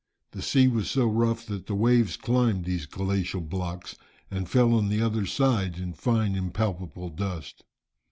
The sea was so rough, that the waves climbed these glacial blocks, and fell on the other side in fine impalpable dust.